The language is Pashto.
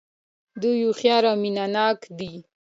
دوی هوښیار او مینه ناک دي.